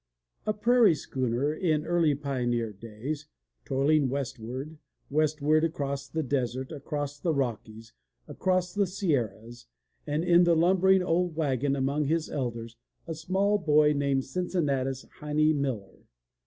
A prairie schooner in early pioneer days, toiling westward, westward, across the desert, across the Rockies, across the Sierras; and in the lumbering old wagon among his elders, a small boy named Cincinnatus Heine Miller.